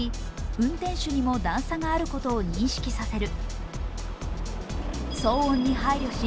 運転手にも段差があることを認識させる。